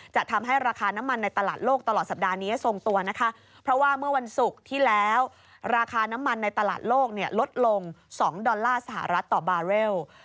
จะทำให้ราคาน้ำมันในตลาดโลกตลอดสัปดาห์นี้ทรงตัวนะคะเพราะว่าเมื่อวันศุกร์ที่แล้วราคาน้ำมันในตลาดโลกลดลง๒ดอลลาร์สหรัฐต่อบาร์เรล